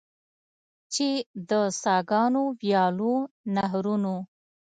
چې د څاګانو، ویالو، نهرونو.